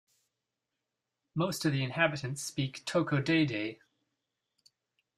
Most of the inhabitants speak Tocodede.